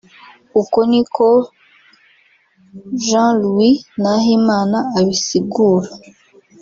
ukwo nukwo Jean Louis Nahimana abisigura